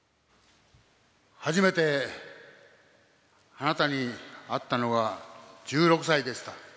初めてあなたに会ったのは１６歳でした。